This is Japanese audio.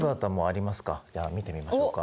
じゃあ見てみましょうか。